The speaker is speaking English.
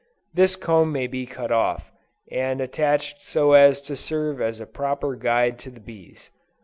This comb may be cut off, and attached so as to serve as a proper guide to the bees.